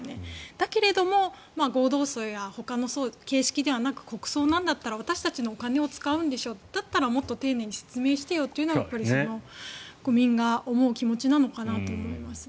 だけれども合同葬やほかの形式ではなく国葬なんだったら私たちのお金を使うんでしょだったらもっと丁寧に説明してよというのが国民が思う気持ちなのかなと思います。